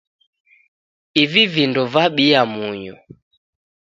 Ivi vindo vabiya munyu.